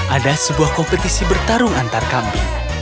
ada sebuah kompetisi bertarung antar kambing